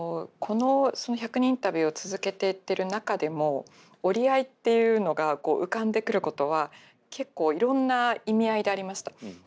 この１００人インタビューを続けていってる中でも折り合いっていうのが浮かんでくることは結構いろんな意味合いでありました。